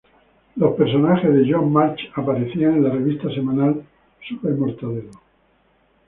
Los personajes de Joan March aparecían en la revista semanal Super Mortadelo.